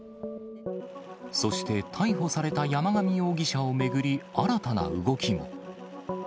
そして逮捕された山上容疑者を巡り、新たな動きも。